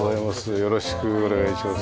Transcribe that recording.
よろしくお願いします。